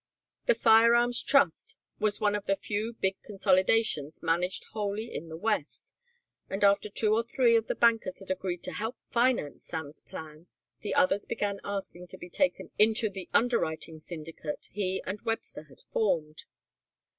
The firearms trust was one of the few big consolidations managed wholly in the west, and after two or three of the bankers had agreed to help finance Sam's plan the others began asking to be taken into the underwriting syndicate he and Webster had formed.